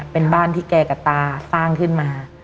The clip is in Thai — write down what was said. เป็นบ้านที่แกกับตาสร้างขึ้นมา